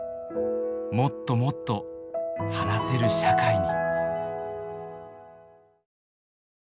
もっともっと話せる社会に。